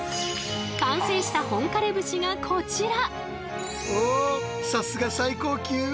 完成した本枯節がこちら！